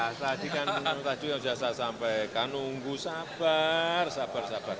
nanti kan pengamatan yang sudah saya sampaikan nunggu sabar sabar sabar